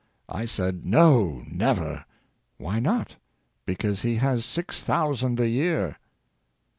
I said, ' No, never! '' Why not? '^ Because he has six thousand a year!